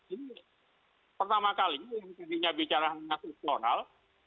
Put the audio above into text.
ini pertama kali yang tadinya bicara mengasih floral